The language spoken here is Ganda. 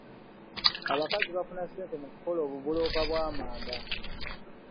Abakazi bafuna ssente mu kukola obubulooka bw'amanda.